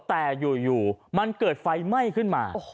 แต่อยู่มันเกิดไฟไหม้ขึ้นมา